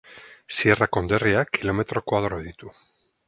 Sierra konderriak kilometro koadro ditu.